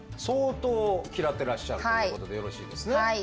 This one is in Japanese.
相当嫌ってらっしゃるということでよろしいですね？